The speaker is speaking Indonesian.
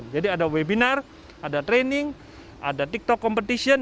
jadi ada webinar ada training ada tiktok competition